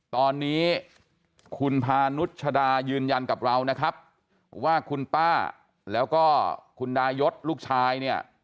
ตอนนี้คุณพานุชดายืนยันกับเรานะครับว่าคุณป้าแล้วก็คุณดายศลูกชายเนี่ย